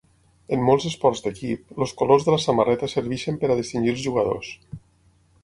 En molts esports d'equip, els colors de la samarreta serveixen per a distingir els jugadors.